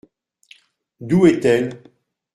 D’où est-elle ?